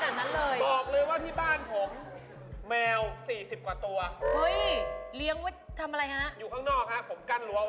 นะครับผมใช้ผ่านมานะครับผม